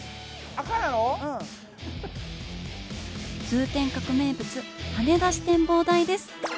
通天閣名物跳ね出し展望台です。